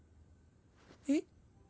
えっ？